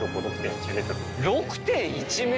６．１ｍ！